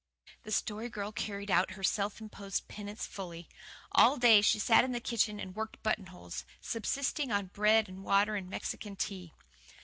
The Story Girl carried out her self imposed penance fully. All day she sat in the kitchen and worked buttonholes, subsisting on bread and water and Mexican Tea.